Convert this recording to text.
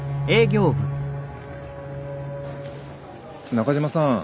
中島さん